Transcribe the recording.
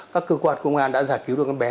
các cơ quan công an đã giải cứu được em bé